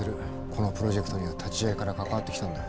このプロジェクトには立ち上げから関わってきたんだ。